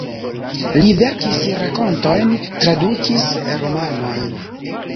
Li verkis rakontojn, tradukis romanojn.